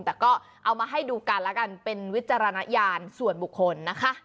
แต่ก็เอามาให้ดูกันแล้วกันเป็นวิจารณญาณส่วนบุคคลนะคะ